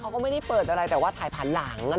เขาก็ไม่ได้เปิดอะไรแต่ว่าถ่ายผ่านหลัง